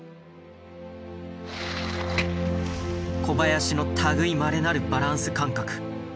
小林の類いまれなるバランス感覚。